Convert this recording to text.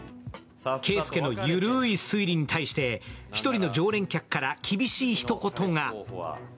啓介の緩い推理に対して、１人の常連客から厳しいひと言が。